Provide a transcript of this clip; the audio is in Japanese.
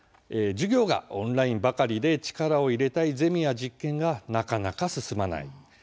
授業がオンラインばかりで力を入れたいゼミや実験がなかなか進まない。